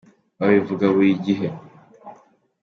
babivuga burigihe.